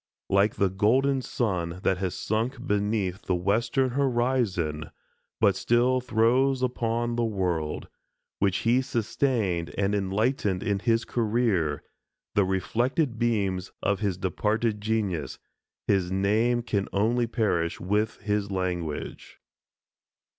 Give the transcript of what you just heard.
Like the golden sun that has sunk beneath the western horizon, but still throws upon the world, which he sustained and enlightened in his career, the reflected beams of his departed genius, his name can only perish with his language.